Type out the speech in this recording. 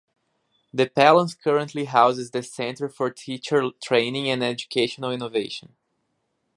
The palace currently houses the Centre for Teacher Training and Educational Innovation.